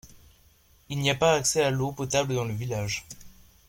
Il n’y a pas d’accès à l’eau potable dans le village.